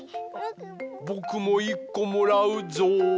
ぼくもいっこもらうぞう。